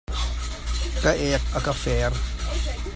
Ka ek a ka fer.